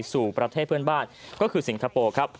สู่ประเทศเพื่อนบ้านก็คือสิงห์ทะโปะ